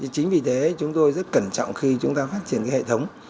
chính vì thế chúng tôi rất cẩn trọng khi chúng ta phát triển cái hệ thống